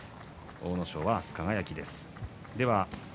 阿武咲は明日は輝です。